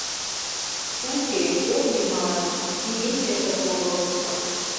Уке, ок лий малаш: игече шып огыл...